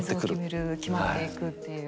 決まっていくっていう。